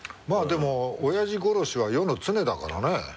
まあでも親父殺しは世の常だからね。